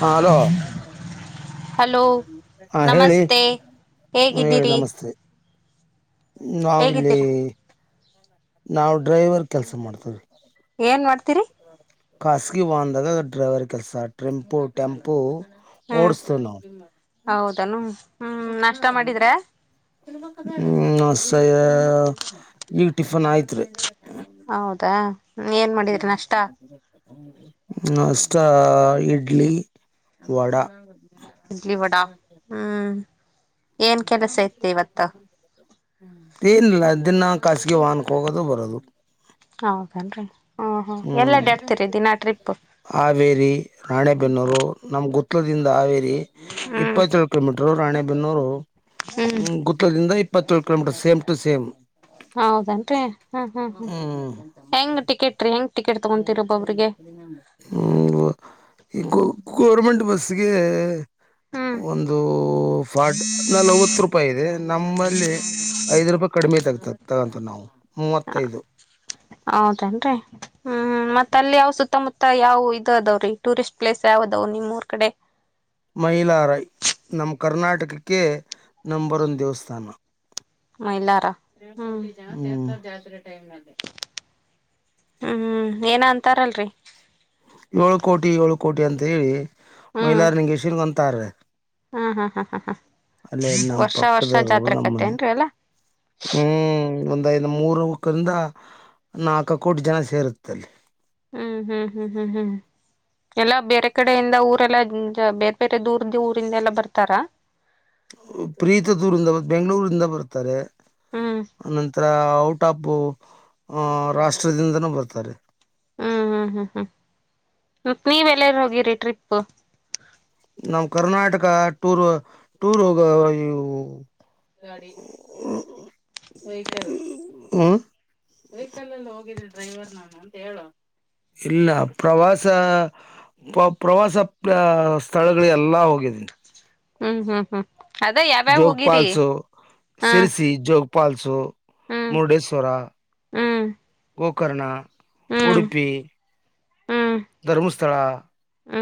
ಹಾ hello hello ಹಾ ಹೇಳಿ ನಮಸ್ತೆ ಹ ಹೇಳಿ ಹೇಗಿದ್ದೀರಿ ನಮಸ್ತೆ ನಾವಿಲ್ಲಿ ಹೇಗಿದ್ದೀರಾ ನಾವು ಡ್ರೈವರ್ ಕೆಲಸ ಮಾಡ್ತವಿ ಏನ್ ಮಾಡ್ತೀರಿ ಖಾಸಗಿ ವಾನ್ದಾಗ ಡ್ರೈವರ್ ಕೆಲಸೆ ಟೆಂಪು ಹ್ಮ್ ಓರ್ಸ ನ [inaudible] ಹೌದನು ಹ್ಮ್ ನಾಷ್ಟ ತ ಮಾಡಿದ್ರ ತ ಮಕ್ಕ [inaudible] ಹ್ಞ ಸ ಈಗ ಟಿಫನ್ ಆಯ್ತ್ ರೀ ಹೌದಾ ಏನ್ ಮಾಡಿದ್ರಿ ನಾಷ್ಟ [inaudible] ನಮಸ್ ಇಡ್ಲಿ ವಡ ಇಡ್ಲಿ ವಾಡಾ ಹ್ಮ್ ಏನ್ ಕೆಲಸ ಇತ್ತು ಇವತ್ತು ಹ್ಮ್ ಎನಿಲ್ಲ ದಿನ ಖಾಸಗಿ ವಾಹನಕ್ಕೆ ಹೋಗೋದು ಬರೋದು ಹೌದೇನ್ರಿ ಹ್ಮ್ ಹಾವೇರಿ ರಾಣೆಬೆನ್ನೂರು ನಮ್ಗ ದಿಂದ ಆರಿ ಹ್ಮ್ ಇಪ್ಪತ್ತು ಕಿಲೋಮೀಟರ್ ರಾಣೆಬೆನ್ನೂರು ಹ್ಮ್ ಗುತ್ತದಿಂದ ಇಪ್ಪತ್ತೇಳ ಕೋಮೀಟರ್ ಸೇಮ ಟು ಸೇಮ ಹೌದನ್ರಿ ಹ್ಮ ಹ್ಮ್ ಹ್ಮ್ ಹೆಂಗ ಟಿಕೆಟ್ ರೀ ಹೆಂಗ ಗೋವರ್ನಮೆಂಟ್ ಬಸ್ಗೆ ಹ್ಮ್ ಒಂದು ಫಾಡಡ್ ನಲ್ವತ್ತು ರೂಪಾಯಿ ಇದೆ ನಮ್ಮಲ್ಲಿ ಐದ ರೂಪಾಯಿ ಕಡಿಮೆ ತ ಆಗ್ತ ತಗಂತು ನಾವು ಹ ಮೂವತ್ತೈದು ಹೌದೇನ್ರಿ ಹ್ಮ್ ಮತ್ತ ಅಲ್ಲಿ ಯಾವ ಸುತ್ತಮುತ್ತ ಮತ್ತ ಯಾವವು ಇದದಾವ್ರೀ ಟೂರಿಸ್ಟ್ ಪ್ಲೇಸ್ ಯಾವದಾವ ನಿಮ್ಮ ಊರ್ ಕಡೆ ಮೈಲಾರೈ ನಮ್ಮ ಕರ್ನಾಟಕಕ್ಕೆ ನಂಬರ್ ಒಂದು ದೇವಸ್ಥಾನ ಮೈಲಾರ ರ ಹ್ಮ್ ಹ್ಮ್ಏನ ಅಂತಾರಲ್ರಿ ಏಳು ಕೋಟಿ ಏಳು ಕೋಟಿ ಅಂತ ಹೇಳಿ ಮಹಿಲಾರ್ ನಿಂಗೆಸನ್ ಅಂತಾರ ಹ್ಮ ಹಾ ಹಾ ಹಾ ಹಾ ಅಲ್ಲೇ ನಮ್ ವರ್ಷ ವರ್ಷ ಪಕ್ಕದವರು ಜಾತ್ರೆಕತೆ ನಮ್ಮನೆ ಏನ್ರಿ ಅಲ್ಲಾ ಹ್ಮ್ ಇಂದು ಮೂರು ಕಂದ ನಾಲ್ಕು ಕೋಟಿ ಜನ ಸೇರುತ್ತೆಲ್ಲಿ ಹ್ಮ್ ಹ್ಮ್ ಹ್ಮ್ ಹ್ಮ್ ಹ್ಮ್ ಎಲ್ಲಾ ಬೇರೆ ಕಡೆಯಿಂದ ಊರೆಲ್ಲಾ ಬೇರೆ ಬೇರೆ ದೂರ್ದ ಊರಿಂದ ಎಲ್ಲ ಬರ್ತಾರ ಪ್ರೀತ ದೂರ್ಂದ ಬೆಂಗಳೂರಿಂದ ಬರ್ತಾರೆ ಹ್ಮ್ ಅನಂತರ ಔಟ್ ಅಫ್ ಆ ರಾಷ್ಟ್ರದಿಂದನೂ ಬರ್ತಾರೆ ಹ್ಮ್ ಹ್ಮ್ ಹ್ಮ್ ಹ್ಮ್ ಮತ್ ನೀವಲ್ಲಾರ ಹೋಗಿರಿ ಟ್ರಿಪ್ ನಮ್ಮ ಕರ್ನಾಟಕ ಹ [inaudible] ವೆ ಹೋಗವ ನ ಹೇಳ ಇಲ್ಲ ಪ್ರವಾಸ [inaudible] ಪ್ರ ಪ್ರವಾಸ ಪ ಸ್ಥಳಗಳ ಎಲ್ಲಾ ಹೋಗಿದೀನಿ ಹ್ಮ್ ಹ್ಮ್ ಹ್ಮ್ ಅದ ಯಾವ್ಯಾವ್ ಹೋಗಿರಿ ಹಾ ಸಿರ್ಸಿ ಜೋಗಪಲ್ಸು ಹ್ಮ್ ಮುರುಡೇಶ್ವರ ಹ್ಮ್ ಗಕ ಕುಕರ್ಣ ಹ್ಮ್ ಉಡುಪಿ ಧರ್ಮಸ್ಥಳ ಹ್ಮ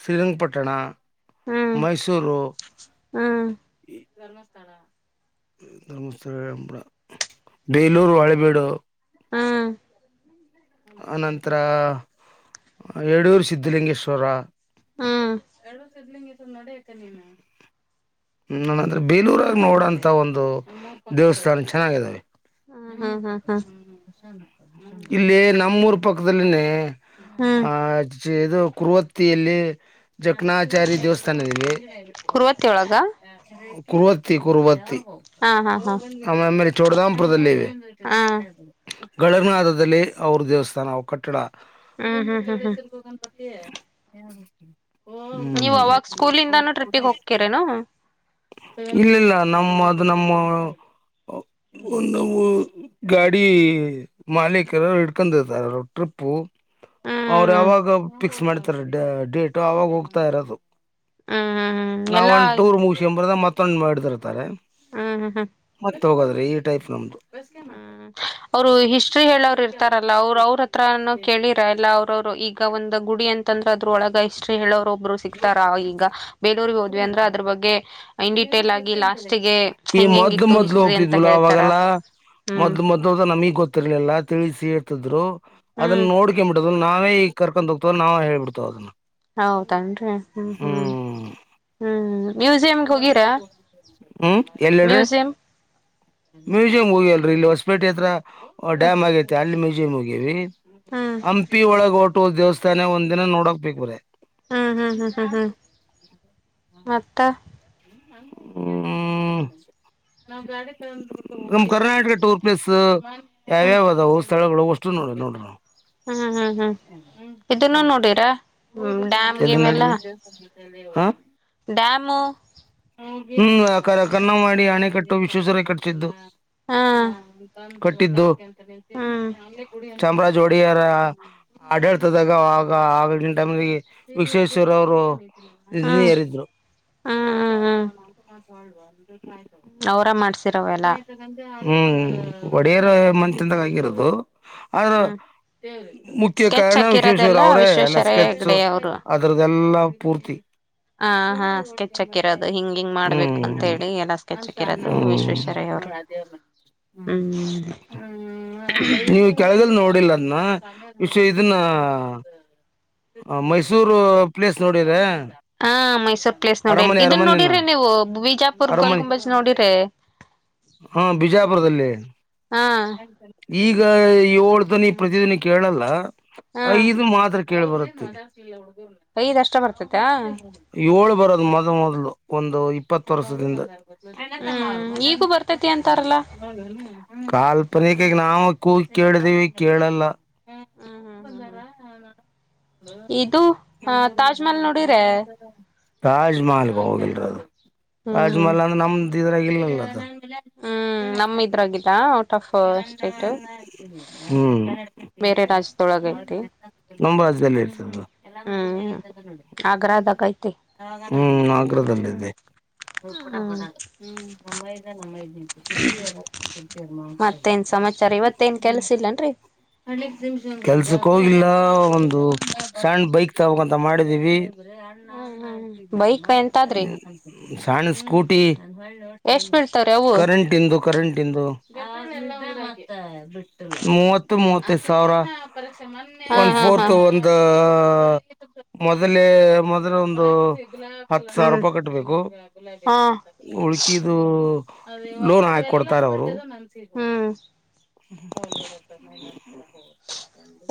ಶ್ರೀರಂಗಪಟ್ಟಣ ಮೈಸೂರು ಧಸ್ಥಳ ಧರ್ಮಸ್ಥಳಳ ಬೇಲೂರು ಹಳೆಬೇಡು ಅನಂತರ ಯಡೂರು ಸ್ಧಲಿಂಗೇಶ್ವರ ಎರಡು ಸಿದ್ಲಿಂಗ ಹ್ಮಂದ್ರೆ ಬೇಲೂರಾಗ ನೋಡಂತ ಒಂದು ದೇವಸ್ಥಾನ ಚೆನ್ನಾಗಿದ್ದಾವೆ ಇಲ್ಲಿ ನಮ್ಮೂರು ಪಕ್ಕದಲ್ಲಿನೇ ಹಾ ಆ ಇದು ಕುರುವತ್ತಿಯಲ್ಲಿ ಜಕಣಾಚಾರಿ ದೇವಸ್ಥಾನ ಇದೀವಿ ಕುರುವತ್ತೇಳ ಕರುವತಿ ಕುರುವತಿ ಹಾ ಹಾ ಹಾ ಹಾ ಆಮಮೇಲೆ ಚೋಡದಾಮಪುರದಲ್ಲಿ ಇವೆ ಹ್ಮ್ ಗಳನಾದದಲ್ಲಿ ಅವ್ರ ದೇವಸ್ಥಾನ ಕಟ್ಟಡ ಹ್ಮ್ ಹ್ಮ್ ಹ್ಮ್ ತ್ತ ಹ [inaudible] ನೀವ್ ಅವಾಗ ಸ್ಕೂಲಿಂದಾನು ಟ್ರಿಪ್ಪಿಗೆ ಹೋಗ್ತಿರನು ಇಲ್ಲಲ್ಲ ನಮ್ಮ ಅದು ನಮ್ಮ ಒಂದು ಗಾಡಿ ಮಾಲೀಕ್ ಎರರು ಇಡ್ಕೊಂಡರ್ತಾರ ಟ್ರಿಪ್ಪು ಹ್ಮ್ ಅವರು ಯಾವಾಗ ಫಿಕ್ಸ್ ಮಾಡ್ತಾರೆ ಡೇಟು ಅವಾಗ ಹೋಗ್ತಾ ಇರೋದು ಹ್ಮ್ ಹ್ಮ್ ಹ್ಮ್ ನಾವ ಎಲ್ಲಾ ಒಂದ್ ಟೂರ್ ಮುಗಸಕೊಂಡ ಬರೋದು ಮತ್ತೊಂದ್ ಮಾಡದಿರ್ತಾರೆ ಹ್ಮ್ ಹ್ಮ್ ಹ್ಮ್ ತಗೋದ್ರೆ ಈ ಟೈಪ್ ನಮ್ಮ್ದದು ಹ್ಮ್ ಅವ್ರು ಹಿಸ್ಟ್ರಿ ಹೇಳೋರು ಇರ್ತಾರಲ್ಲ ಅವರು ಅವ್ರ ಹತ್ರಾನ ಕೇಳಿರ ಇಲ್ಲ ಅವ್ರವರು ಈಗ ಒಂದಂದು ಗುಡಿ ಅಂತಂದ್ರ ಅದ್ರ ಒಳಗ ಇಷ್ಟ್ರಿ ಹೇಳೋರು ಇರು ಸಿಗ್ತಾರ ಈಗ ಬೇಲೂರುಗೆ ಹೋದ್ವಿ ಅಂದ್ರೆ ಅದ್ರ ಬಗ್ಗೆ ಇನ್ ಡಿಟೇಲ್ ಆಗಿ ಲಾಸ್ಟ್ಗೆ ಮೊದ್ಲು ಮೊದ್ಲು ಹೋಗ್ತಿದ್ವಿಲ ಅವಾಗೆಲ್ಲ ಹ್ಮ್ ಮೊದಲು ಮೊದ್ದ ಅದ ನಮಗ್ ಗೊತ್ತಿರ್ಲಿಲ್ಲಾ ತಿಳಿಸಿ ಹೇರ್ತಿದ್ರು ಅದನ್ನ ಹ್ಮ್ ನೋಡ್ಕೊಬಿಟ್ಟದ ನಾವೇ ಈ ಕರ್ಕೊಂಡ್ಗ್ತವ ನವು ಹೇಬಿಡ್ತಾವ ಅದನ್ನ ಹೌದನ್ರಿ ಹ್ಮ್ ಹ್ಮ್ ಹ್ಮ್ ಮ್ಯೂಸಿಯಂಗೆ ಹೋಗಿರಾ ಹ್ಮ್ ಎಲ್ಲ ಹೇಳ್ರಿ ಮ್ಯೂಸಿಯಂ ಮ್ಯೂಸಿಯಂ ಹೋಗಿಲ್ರರಿ ಇಲ್ಲಿ ಹೊಸಪೇಟೆ ಹತ್ರ ಡ್ಯಾಮ್ ಆಗೇತಿ ಅಲ್ಲಿ ಮ್ಯೂಸಿಯಂ ಹೋಗಿವಿ ಹ್ಮ್ ಹಂಪಿ ಒಳಗ ಹೊಟು ದೇವಸ್ಥಾನ ಒಂದ್ ದಿನ ನೋಡಕ್ ಬಕ್ ಬ್ರ [inaudible] ಹ್ಮ್ ಹ್ಮ್ ಹ್ಮ್ ಹ್ಮ್ ಹ್ಮ್ ಮತ್ತ [inaudible] ನಮ್ ಕರ್ನಾಟಕ ಟೂರ್ ಪ್ಲೇಸ್ ಹ್ಮ್ ಯಾವ್ಯಾವದಾವವು ಸ್ಥಳಗಳು ಅಷ್ಟು ನೋಡಿ ನೋಡ್ರಿವು ಹ್ಮ್ ಹ್ಮ್ ಹ್ಮ್ ಇದನ್ನು ನೋಡೀರಾ ಹ [inaudible] ಡಾಮ್ ಹ್ಮ್ ಕನ್ನಮಾಡಿ ಅಣೆ ಕಟ್ಟ ಸರ್ ಎಂ ವಿಶ್ವೇಶ್ವರಯ್ಯ ಕಟ್ಟಿಸಿದ್ದು ಹಾ ಹ್ಮ್ ಕಟ್ಟಿದ್ದು ಹ್ಮ್ ಚಾಮರಾಜ್ ಒಡೆಯರ ಆಡಳತದಾಗ ಅವಾಗ ಆಗ ಟೈಮಿಗೆ ವಿಶ್ವೇಶ್ವರಯ್ಯ ಅವರು ಹ್ಮ್ ಏರಿದ್ರು ಹ್ಮ್ ಹ್ಮ್ ಅವರ ಮಾಡ್ಸಿರವೆಲ್ಲ ಹ್ಮ್ ಒಡೆಯರ್ ಮನೆತನದಾಗ ಆಗಿರದು ಅದು ಹ್ಮ್ ಮುಖ್ಯ ಸ್ಕೆಚ್ ಕಾರಣ ಹಾಕಿರೋದೆಲ್ಲ ವಿಶ್ವೇಶ್ವರಾಯ ಅವ್ರೇ ಎಲ್ಲ ವಿಶ್ವೇಶ್ವರಯ ಸ್ಕೆಚ್ ಹೆಗ್ಡೆ ಅದ್ರ್ದಲ್ಲಾ ಪೂರ್ತಿ ಹ ಹಾ ಸ್ಕೆಚ್ ಸ್ಕೆಚ್ ಹಿಂಗ ಹಿಂಗ್ ಮಾಡ್ಬೇಕು ಅಂತ ಹ್ಮ್ ಹೇಳಿ ಎಲ್ಲ ಸಸ್ಕೆಚ್ ಕೇತಿರೋದು ವಿಶ್ವೇಶ್ವರಯ್ಯ ಅವರು ಹ್ಮ ಹ್ಮ್ ನೀವು ಕೆಳಗಲ್ ನೋಡಿಲ ಅದನ್ನ ಇದನ್ನ ಮೈಸೂರು ಪ್ಲೇಸ್ ನೋಡಿದೆ ಹಾ ಮೈಸೂರ್ ಪ್ಲೇಸ್ ನೋಡಿ ಅರಮನೆ ಇದನ್ ಅರಮನೆ ನ ನೋಡಿರಿ ನೀವು ಬಿಜಾಪುರ್ ಗೋಲ್ ಅರಮನೆ ಗುಂಬಜ್ ನೋಡಿರಿ ಹಾ ಬಿಜಾಪುರದಲ್ಲಿ ಹಾ ಈಗ ಏಳು ತನಿ ಪ್ರತಿದಿನಿ ಕೇಳಲ್ಲ ಹಾ ಇದು ಮಾತ್ರ ಕೇಳ ಬರುತ್ತೆ ಐದ್ ಅಷ್ಟ ಬರ್ತೈತಾ ಏಳು ಬರೋದು ಮೊದ್ ಮೊದಲು ಒಂದು ಇಪ್ಪತ್ತು ವರ್ಷದಿಂದ ಹ್ಮ್ ಈಗೂ ಬರ್ತೈತಿ ಅಂತಾರಲ್ಲ ಕಾಲ್ಪನಿಕಗ ನಾವ ಕೂಗಿ ಕೇಳ್ದೇವಿ ಕೇಳಲ್ಲ ಹ್ಮ್ ಹ್ಮ್ ಹ್ಮ್ ಹ್ಮ್ [unintelligible] ಇದು ತಾಜ್ ಮಹಲ್ ನೋಡಿರೆ ತಾಜ್ ಮಹಲ್ ಹೋಗಿಲ್ರ ಅದು ಹ್ಮ್ ತಾಜ್ ಹ್ಮ್ ಮಹಲ್ ಅಂದ್ರೆ ನಮ್ದ ಇದ್ರಾಗಿ ಇಲ್ಲಲ್ಲದು ಹ್ಮ್ ನಮ್ಮ ಇದ್ರಾಗಿಲ್ಲ ಔಟ್ ಆಫ್ ಸ್ಟೇಟ್ ಹ್ಮ್ ಬೇರೆ ರಾಜ್ಯದೊಳಗೆ ಅಯ್ತಿ ನಮ್ಮ ರಾಜ್ಯದಲ್ಲಿ ಇತ್ತ ಅದು ಅಗ್ರದಾಗ್ ಅಯ್ತಿ ಹ್ಮ್ ಅಗರ ದಲ್ಲಿ ಇದೆ ಹ್ಮ್ ಮತ್ತೇನ್ ಸಮಾಚಾರ ಇವತ್ತೇನ್ ಕೆಲ್ಸ ಇಲ್ಲನ್ರಿ [unintelligible] ಕೆಲ್ಸಕ್ ಹೋಗಿಲ್ಲ ಒಂದು ಸಣ್ಣ ಬೈಕ್ ತಾಕಬೇಕಂತ ಮಾಡಿದೀವಿ ಹ್ಮ್ ಹ್ಮ್ ಬೈಕ್ ಎಂತಾದ್ರಿ ಸಣ್ಣ ಸ್ಕೂಟಿ ಎಷ್ಟ್ ಬೀಳ್ತಾವ್ರಿ ಅವು ಕರೆಂಟ್ಯಿಂದು ಕರೆಂಟ್ಯಿಂದು ಮೂವತ್ತು ಮೂವತ್ತೈದ ಸಾವಿರ ಹಾ ಒಂದು ಹಾ ಹಾ ಫೋರ್ತ್ ಒಂದು ಮೊದಲೇ ಮೊದಲ ಒಂದು ಹತ್ತು ಸಾವಿರ ಹ್ಮ್ ರೂಪಾಯಿ ಕಟ್ಟಬೇಕು ಹಾ ಉಳ್ಕಿದು ಲೋನ್ ಹಾಕಿಕೊಡ್ತಾರೆ ಅವರು ಹ್ಮ್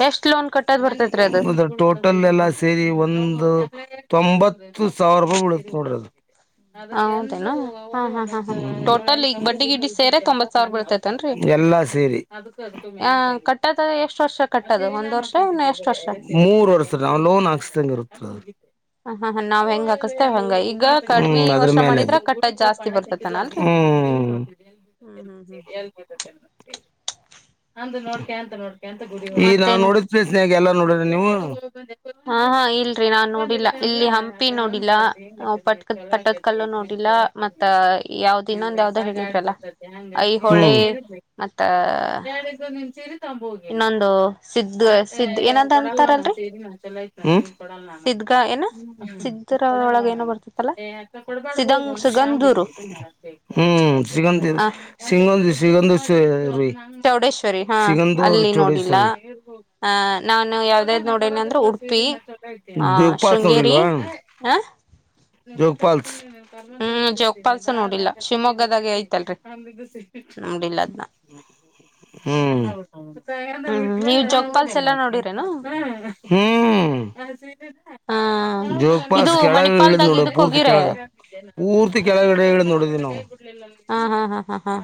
ಎಷ್ಟ್ ಲೋನ್ ಕಟ್ಟದ್ ಬರ್ತೇತ್ರಿ ಅದು ಹೌದ ಟೋಟಲ್ ಎಲ್ಲ ಸೇರಿ ಸೇರಿ ಒಂದು ತೊಂಬತ್ತು ಸಾವಿರ ರೂಪಾಯಿ ಬೀಳುತ್ತೆ ನೋಡ್ರಿ ಅದು ಹ ಹೌದೇನು ಹಾ ಹಾ ಹ ಹ ಸಾವಿರ ಬೀಳ್ತೇತೇನ್ರರಿ ಎಲ್ಲಾ ಸೇರೀ ಆ ಕಟ್ಟದ ಎಷ್ಟ್ ವರ್ಷ ಕಟ್ಟದು ಒಂದ್ ವರ್ಷ ಇನ್ನು ಎಷ್ಟ್ ವರ್ಷ ಮೂರ್ ವರ್ಷ ನಾವ್ ಲೋನ್ ಹಾಕ್ಸ್ದಂಗ ಇರುತ್ತ ಹ ಹಾ ಹ ನಾವ್ ಹೆಂಗ್ ಹಾಕಸ್ತೇವ್ ಅದು ಹಂಗ ಈಗ ಕಡ್ಮಿ ಹ್ಮ್ ಅದ್ರ ವರ್ಷ ಮೇಲೆ ಮಾಡಿದ್ರ ಅದು ಕಟ್ಟದ್ ಜಾಸ್ತಿ ಬರ್ತತನ ಅಲ್ರರಿ ಹ್ಮ್ ಹ್ಮ್ ಹ್ಮ್ ಹ್ಮ್ ನೋಡ್ ಈಗ ನಾ ಮತ್ತೇನ ನೋಡಿದ ಪ್ಲೇಸ್ ಎಲ್ಲಾ ನೋಡಿ ನೀವು [unintelligible] ಹಾ ಹಾ ಇಲ್ರರಿ ನಾನ್ ನೋಡಿಲ್ಲ ಇಲ್ಲಿ ಹಂಪಿ ನೋಡಿಲ್ಲ ಪಟ್ದ ಪಟ್ಟದ್ ಕಲ್ಲು ನೋಡಿಲ್ಲ ಮತ್ತ ಯಾವ್ದ ಇನ್ನೊಂದ ಯಾವ್ದ ಹೇಳಿದ್ರಲ್ಲ ಐಹೊಳೆ ಮತ್ತ ಹ್ಮ್ ಇನ್ನೊಂದು ಸಿದ್ದ ಸಿದ್ದ್ ಏನಂತ ಕೊಡಲ್ಲ ಅಂತಾರಲ್ರರಿ ಕೊಡಲ್ಲ ಸಿದ್ಗ ಏನ ಸಿದ್ದರ ಒಳಗ ಏನೋ ಬರ್ತತ್ತಲ್ಲ ಕೊಡ್ಬಾಡ್ ಹೋಗು ಸಿದಂಗ್ ಸುಗಂಧೂರು [unintelligible] ಹ್ಮ್ ಶ್ರೀಗಂಧ ಆ ಸಿಗಂದೂರು ಚೌಡೇಶ್ವರಿ ಹಾ ಅಲ್ಲಿ ನೋಡಿಲ್ಲ ಹ ನಾನು ಯಾವ್ದಾದ್ ನೋಡನಿ ಅಂದ್ರೆ ಉಡುಪಿ ಆ ಜೋಗ ಪಾಲ್ಸ್ ಶೃಂಗೇರಿ. ಹ ಜೋಗ್ ಫಾಲ್ಸ್ ಹ್ಮ್ ಜೋಗಪಾಲ್ಸ ನೋಡಿಲ್ಲ ಶಿವಮೊಗ್ಗದಾಗೆ ಐತಲ್ರಿ ನೋಡಿಲ್ಲ ಅದ್ನ [unintelligible] ಹ್ಮ್ ಹ್ಮ್ ನೀವ್ ಜೋಗ್ ಪಾಲ್ಸ್ ಎಲ್ಲ ನೋಡಿರೇನು. ಹ್ಮೂ ಹ ಜೋಗ್ ಇದು ಫಾಲ್ಸ್ ಕೆಳಗ್ ಹಿಳ್ದ್ ಮಣಿಪಾಲ್ದಾಗ ನೊಡಿವ್ ಇದಕ್ ಪೂರ್ತಿ ಹೋಗಿರ ಕೆಳಗ ಪೂರ್ ಕೆಳಗ್ ಇಳಿದ್ ನೋಡಿದಿವ್ ನಾವು ಹಾ ಹಾ ಹಾ ಹಾ ಹಾ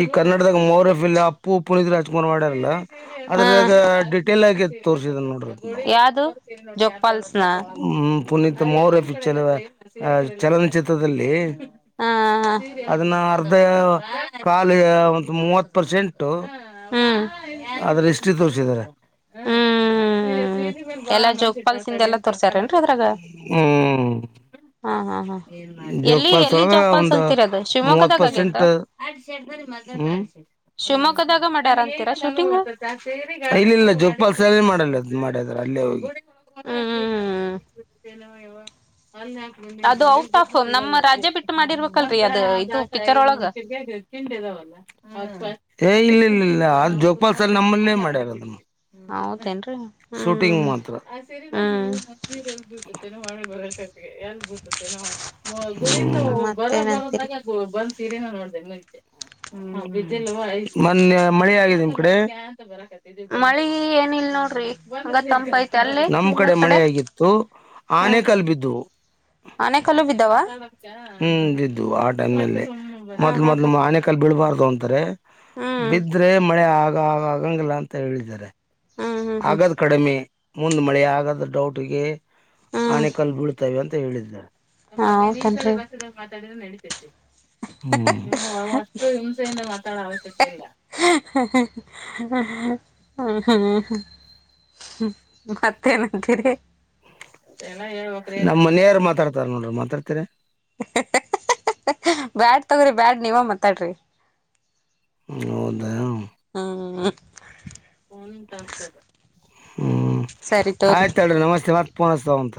ಈ ಕನ್ನಡದಾಗ ಮೌರ್ಯ ಫಿಲಂ ಅಪ್ಪು ಪುನಿತ್ ರಾಜ್ ಕುಮಾರ್ ಮಾಡ್ಯಾರಲ್ಲ ಹಾ ಅದ್ರಾಗ ಡಿಟೇಲ್ ಆಗಿ ತೋರ್ಸಿದನ್ ನೋಡ್ರಿ ಯಾವ್ದು ಜೋಗಪಾಲ್ಸ್ನ ಹ್ಮ ಪುನೀತ್ ಮೌರ್ಯ ಪಿಚ್ಚರದ ಚಲನಚಿತ್ರದಲ್ಲಿ. ಹಾ ಹಾ ಅದನ್ನ ಅರ್ಧ ಕಾಲ್ಯ ಬಂದ್ ಮೂವತ್ ಪರ್ಸೆಂಟ್. ಟು ಹ್ಮ್ ಅದ್ರ ಇಸ್ಟ್ರಿ ತೋರ್ಸಿದರೆ. ಹ್ಮ್ ಎಲ್ಲಾ ಜೋಗಪಾಲ್ಸಿಂದ ಎಲ್ಲಾ [unintelligible] ತೋರ್ಸಾರೇನ್ರಿ ಅದ್ರಾಗ ಹ್ಮು ಹಾ ಹಾ ಹಾ ಎಲ್ಲಿ ಜೋಗಪಾಲ್ ಎಲ್ಲಿ ಒಳ್ಗ ಜೋಗ್ ಫಾಲ್ಸ್ ಒಂದು ಅಂತಿರೋದು ಮೂವತ್ ಶಿವಮೊಗ್ಗದಾಗ ಆಗೇತ ಪರ್ಸೆಂಟ್ ಹ್ಮ - ಶಿವಮೊಗ್ ಇಲ್ಲಿಲ್ಲಾ ಜೊಗ್ ಪಾಲ್ಸ್ [unintelligible] ಮಾಡ್ಯದ್ರ ಅಲ್ಲೇ ಹೋಗಿ. ಹ್ಮ್ ಹ್ಮ್ ಅ ಅದು ಔಟ್ ಆಫ್ ನಮ್ಮ ರಾಜ್ಯ ಬಿಟ್ಟು ಮಾಡಿರ್ಬೇಕಲ್ರರಿ ಅದ ಇದು ಪಿಕ್ಚರ್ ಒಳಗ [unintelligible] [unintelligible] ಏ ಇಲ್ ಇಲ್ ಇಲ್ಲ ಅ ಜೋಗ್ ಫಾಲ್ಸ್ ನಮ್ಮನ್ ಮಾಡ್ಯಾರದನ. ಹೌದೇನ್ರೀ ಶೂಟಿಂಗ್ ಮಾತ್ರ ಹ್ಮ ಮತ್ತೇನಂತೀರಿ [unintelligible] ಮೊನ್ನೆ ಮಳೆ ಆಗಿದ್ ನಿಮ್ ಕಡೆ ಮಳಿ ಏನಿಲ್ ನೋಡ್ರಿ ಹಂಗ ತಂಪ ಐತೆ ಅಲ್ಲಿ ನಮ್ ಕಡೆ ನಿಮ್ಮೂರ್ ಮಳೆ ಆಗಿತ್ತು. ಆನೆ ಕಲ್ಬಿದ್ವು ಅನೆಕಲ್ಲು ಹು ಬಿದ್ವು [unintelligible] ಹ್ಮ್ ಮೊದ್ಲು ಹ್ಮ್ ಮೊದ್ಲು ಆನೆ ಕಲ್ ಬಿಳ್ಬಾರ್ದು ಅ ಅಂತರೆ ಹ್ಮ್ ಬಿದ್ರೆ ಮಳೆ ಆಗ ಆ ಆಗಂಗಿಲ್ಲ ಅಂತ ಹೇಳಿದ್ದಾರೆ. ಹ್ಮ್ ಹ್ಮ್ ಹ್ಮ್ ಹ್ಮ್ ಆಗದ್ ಕಡಿಮಿ ಮುಂದ್ ಮಳೆ ಆಗದ್ ಡೌಟಿಗೆ ಹ್ಮ್ ಆನೆ ಕಲ್ ಬೀಳ್ತವೆ ಅಂತ ಹೇಳಿದ್ರ ಹ್ಮ್ ಸ್ವಲ್ಪ ನಿನ್ ಈ ಕಡೆ ಹೌದೇನ್ರಿ ಬಂದ್ ಮಾತಾಡುದ್ರ ನೆಡಿತೈತಿ. ಹ್ಮು ಹ್ಮ ಹ್ಮ ನಮ್ಮ್ ಮನೆಯರ್ ಮಾತಾಡ್ತಾರ ನೋಡ್ ಮಾತಾಡ್ತಿರಿ. ಹ ಹ ಬ್ಯಾಡ್ ತಗೊರಿ ಬ್ಯಾಡ್ ನೀವೆ ಮಾತಾಡ್ರಿ. ಹೌದ ಹ್ಮ್ [unintelligible] ಹ್ಮ್ ಸರಿ ತೋರಿ ಆಯ್ತಳ್ರಿ ನಮಸ್ತೆ ಮತ್ತ್ ಪೋನ್ಸ್ತಾವಂತ.